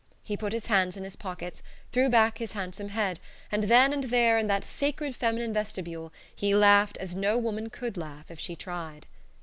He put his hands in his pockets, threw back his handsome head, and then and there, in that sacred feminine vestibule, he laughed as no woman could laugh if she tried.